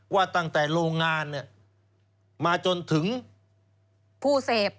ว่าตั้งแต่โรงงานมาจนถึงผู้เสพ